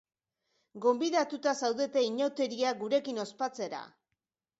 Gonbidatuta zaudete inauteriak gurekin ospatzera!